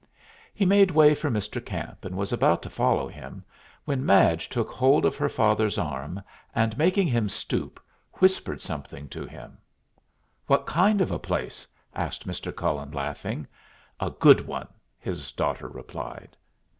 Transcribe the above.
He made way for Mr. Camp, and was about to follow him, when Madge took hold of her father's arm, and, making him stoop, whispered something to him. "What kind of a place?" asked Mr. Cullen, laughing. "A good one," his daughter replied.